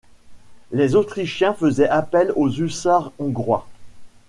Les Autrichiens faisaient appel aux hussards hongrois.